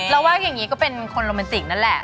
ว่าอย่างนี้ก็เป็นคนโรแมนติกนั่นแหละ